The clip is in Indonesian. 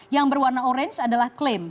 yang berwarna orange adalah klaim